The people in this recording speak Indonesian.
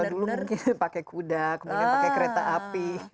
kalau dulu mungkin pakai kuda kemudian pakai kereta api